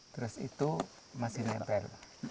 terus itu masih nempel